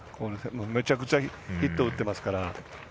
めちゃくちゃヒット打ってますから。